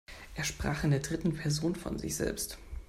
Er sprach in der dritten Person von sich selbst.